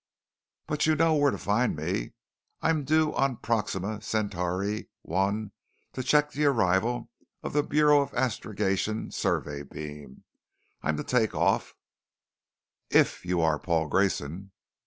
"But you know where to find me. I'm due on Proxima Centauri I to check the arrival of the Bureau of Astrogation survey beam. I'm to take off " "IF you are Paul Grayson."